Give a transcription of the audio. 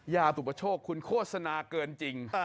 ปุปโชคคุณโฆษณาเกินจริง